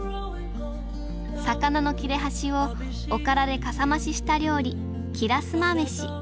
魚の切れ端をおからでかさ増しした料理きらすまめし。